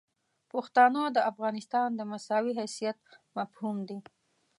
پښتانه د افغانستان د مساوي حیثیت مفهوم دي.